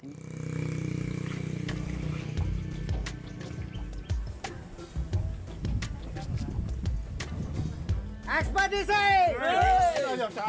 kita bisa menggoda